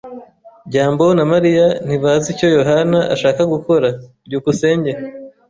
byambo na Mariya ntibazi icyo Yohana ashaka gukora. byukusenge